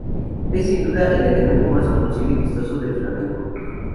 Es sin duda, el elemento más conocido y vistoso del flamenco.